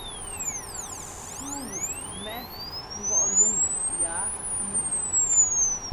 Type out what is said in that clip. Súu wu mɛʼ ngɔʼ luŋ yaa píi.